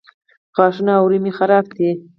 غاښونه او اورۍ مې خرابې دي